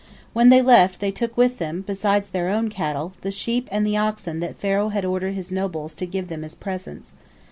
When they left, they took with them, beside their own cattle, the sheep and the oxen that Pharaoh had ordered his nobles to give them as presents.